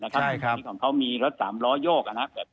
ที่ของเขามีรถ๓ล้อโยก